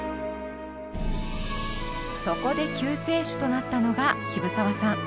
そこで救世主となったのが渋沢さん。